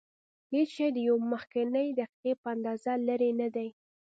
هېڅ شی د یوې مخکنۍ دقیقې په اندازه لرې نه دی.